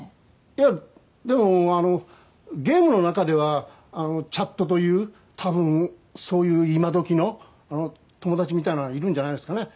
いやでもゲームの中ではチャットという多分そういう今どきの友達みたいなのはいるんじゃないですかね？